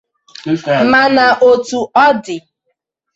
Mana otu ọ dị